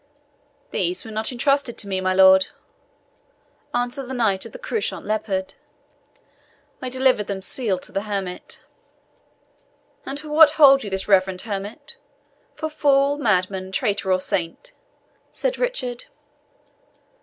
"These were not entrusted to me, my lord," answered the Knight of the Couchant Leopard. "I delivered them sealed to the hermit." "And for what hold you this reverend hermit for fool, madman, traitor, or saint?" said Richard.